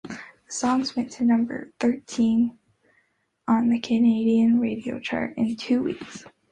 The song went to number thirteen on the Canadian radio charts in two weeks.